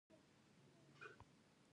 دا جوړښتونه فقر پر فرد تحمیلوي.